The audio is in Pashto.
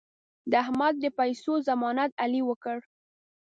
د احمد د پیسو ضمانت علي وکړ.